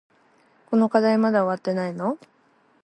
この課題まだ終わってないの？